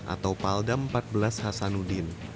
atau paldam empat belas hasanuddin